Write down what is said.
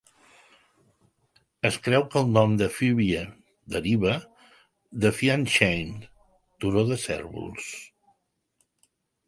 Es creu que el nom Fyvie deriva de "Fia-Chein" (turó de cérvols).